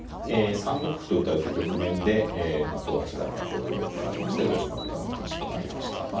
え３六歩と打たれた局面で松尾八段が投了となりまして豊島九段の勝ちとなりました。